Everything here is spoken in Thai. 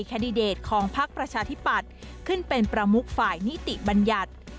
แดดิเดตของพักประชาธิปัตย์ขึ้นเป็นประมุกฝ่ายนิติบัญญัติ